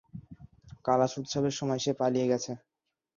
কালাশ উৎসবের সময় সে পালিয়ে গেছে।